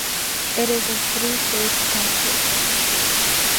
It is a three-stage competition.